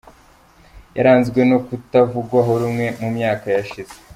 Yaranzwe no kutavugwaho rumwe mu myaka yashize.